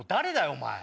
お前。